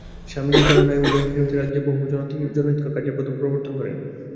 স্বামীজীর প্রেরণায় উভয়ে খেতড়ি রাজ্যে বহু জনহিতকর কার্যের প্রবর্তন করেন।